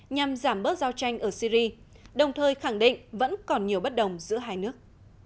nhằm giảm bớt giao tranh ở syri đồng thời khẳng định vẫn còn nhiều bất đồng giữa hai nước